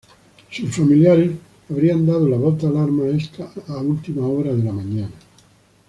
Sus familiares habrían dado la voz de alarma a última hora de la mañana.